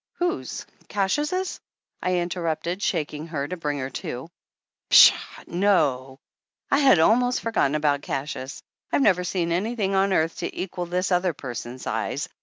"Whose? Cassius's?" I interrupted, shaking her to bring her to. "Pshaw ! No ! I had almost forgotten about Cassius! I've never seen anything on earth to equal this other person's eyes!